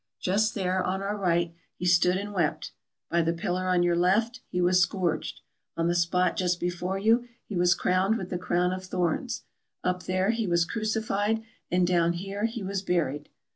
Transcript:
Just there, on our right, He stood and wept ; by the pillar on your left He was scourged ; on the spot, just before you, He was crowned with the crown of thorns — up there He was crucified, and down here Pie was buried.